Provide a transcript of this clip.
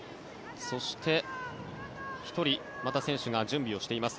そして、１人また選手が準備しています。